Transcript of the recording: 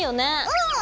うん。